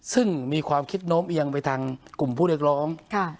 ซึ่งมีความคิดโน้มเอียงไปทางกลุ่มผู้เรียกร้อง